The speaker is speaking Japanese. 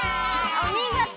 おみごと！